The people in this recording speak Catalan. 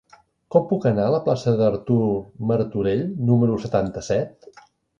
Com puc anar a la plaça d'Artur Martorell número setanta-set?